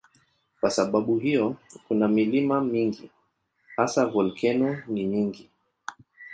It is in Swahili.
Kwa sababu hiyo kuna milima mingi, hasa volkeno ni nyingi.